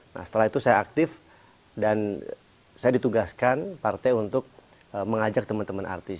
nah setelah itu saya aktif dan saya ditugaskan partai untuk mengajak teman teman artis